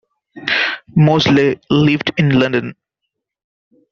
Mosley lived in London.